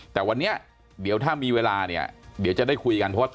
แต่วันนี้เดี๋ยวถ้ามีเวลาเนี่ยเดี๋ยวจะได้คุยกันเพราะว่า